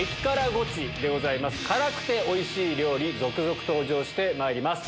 辛くておいしい料理続々登場してまいります。